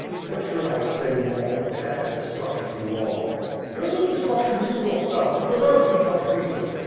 ^^Vhat should I say more — death and destruction to you all." 'T)eath and destruction to you yourself! You deserve to be cut to pieces."